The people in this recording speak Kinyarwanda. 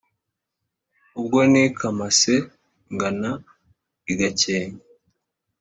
Ubwo nikamase ngana i Gakenke